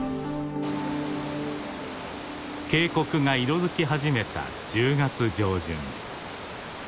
渓谷が色づき始めた１０月上旬。